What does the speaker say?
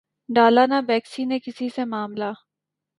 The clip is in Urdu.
ڈالا نہ بیکسی نے کسی سے معاملہ